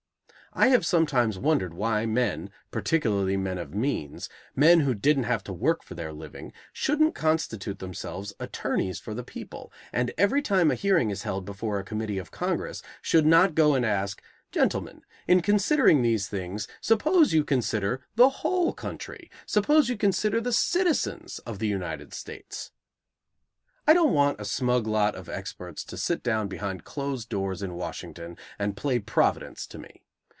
I have sometimes wondered why men, particularly men of means, men who didn't have to work for their living, shouldn't constitute themselves attorneys for the people, and every time a hearing is held before a committee of Congress should not go and ask: "Gentlemen, in considering these things suppose you consider the whole country? Suppose you consider the citizens of the United States?" I don't want a smug lot of experts to sit down behind closed doors in Washington and play Providence to me.